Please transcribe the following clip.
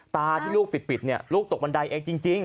ตาที่ลูกปิดเนี่ยลูกตกบันไดเองจริง